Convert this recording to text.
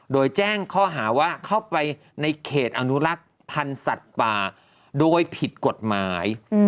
โดยแจ้งข้อหาว่าเข้าไปในเขตอนุรักษ์พันธุ์สัตว์ป่าโดยผิดกฎหมาย